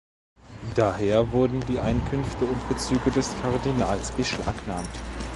Daher wurden die Einkünfte und Bezüge des Kardinals beschlagnahmt.